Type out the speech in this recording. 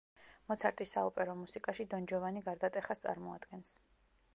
მოცარტის საოპერო მუსიკაში დონ ჯოვანი გარდატეხას წარმოადგენს.